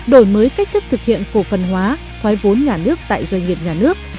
đổi mới cách thức thực hiện cổ phần hóa thoái vốn nhà nước tại doanh nghiệp nhà nước